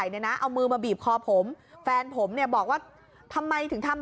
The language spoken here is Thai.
จ้ะหนูรักไม่ได้จริงจ้ะหนูรักไม่ได้จริงจ้ะ